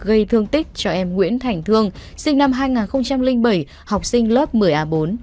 gây thương tích cho em nguyễn thành thương sinh năm hai nghìn bảy học sinh lớp một mươi a bốn